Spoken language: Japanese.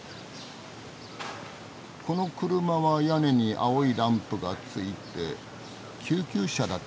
この車は屋根に青いランプがついて救急車だったのかな？